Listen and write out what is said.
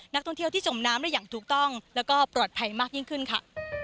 นักท่องเที่ยวที่จมน้ำได้อย่างถูกต้องแล้วก็ปลอดภัยมากยิ่งขึ้นค่ะ